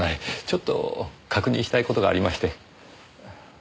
ちょっと確認したい事がありまして。